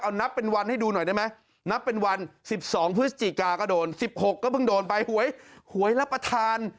เอานับเป็นวันให้ดูหน่อยได้ไหมนับเป็นวัน๑๒พฤศจิกาก็โดน๑๖ก็เพิ่งโดนไปหวยหวยรับประทาน